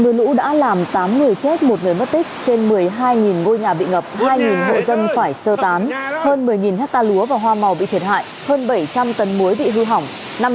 như vậy tại tỉnh nghệ an mưa lũ đã làm tám người chết một người mất tích trên một mươi hai ngôi nhà bị ngập hai hội dân phải sơ tán hơn một mươi hecta lúa và hoa màu bị thiệt hại hơn bảy trăm linh tấn muối bị hư hỏng